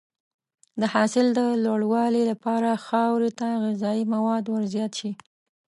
د حاصل د لوړوالي لپاره خاورې ته غذایي مواد ورزیات شي.